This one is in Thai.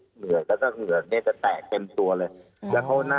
เหนือจะแตะเต็มตัวเลย